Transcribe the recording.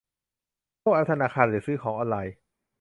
พวกแอปธนาคารหรือซื้อของออนไลน์